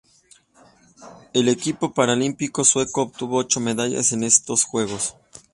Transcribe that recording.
El equipo paralímpico sueco obtuvo ocho medallas en estos Juegos.